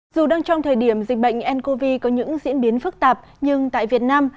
dù đang trong thời điểm dịch bệnh ncov có những diễn biến phức tạp nhưng tại việt nam